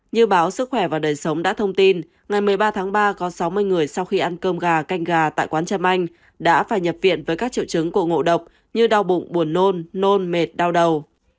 như báo sức khỏe và đời sống đã thông tin ngày một mươi ba tháng ba có sáu mươi người sau khi ăn cơm gà canh gà tại quán trâm anh đã phải nhập viện với các triệu chứng của ngộ độc như đau bụng buồn nôn nôn mệt đau đầu